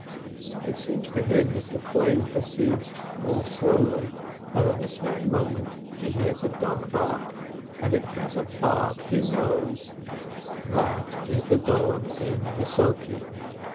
It seems to him that the flame proceeds more slowly, but at this very moment he hears a dog bark, and it has a bark he knows — that is the dog in Vissoke.